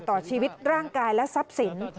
ต่อชีวิตร่างกายและทรัพย์สิน